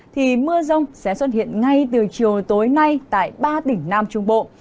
thì mưa rông sẽ xuất hiện ngay từ chiều tối nay tại ba tỉnh nam trung bộ